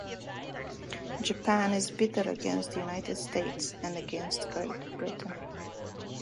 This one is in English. Japan is bitter against the United States and against Great Britain.